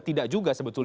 tidak juga sebetulnya